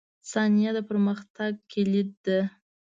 • ثانیه د پرمختګ کلید ده.